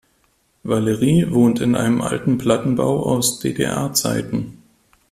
Valerie wohnt in einem alten Plattenbau aus DDR-Zeiten.